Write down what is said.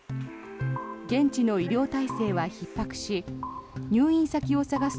現地の医療体制はひっ迫し入院先を探す